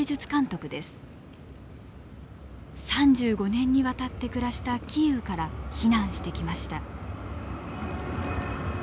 ３５年にわたって暮らしたキーウから避難してきました。